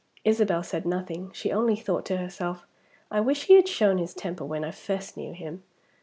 Isabel said nothing; she only thought to herself, "I wish he had shown his temper when I first knew him!"